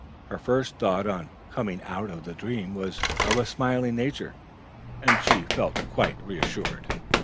Her first thought on coming out of the dream was of a smiling nature, and she felt quite reassured.